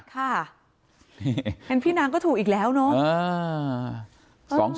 ค่ะเห็นพี่นางก็ถูกอีกแล้วเนาะ